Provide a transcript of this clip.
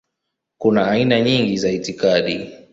Kuna aina nyingi za itikadi.